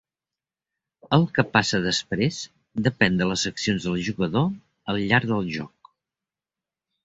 El que passa després depèn de les accions del jugador al llarg del joc.